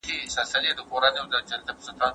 د داستان زمانه تر بل هر څه مهمه ده.